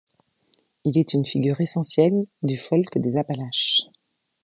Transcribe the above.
Il est une figure essentielle du folk des Appalaches.